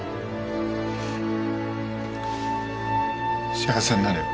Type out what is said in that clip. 幸せになれよ。